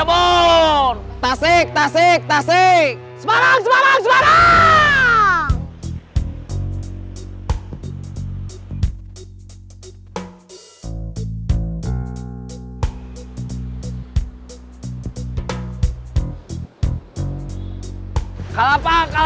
ada pertanyaan floor bukan sebarang kelas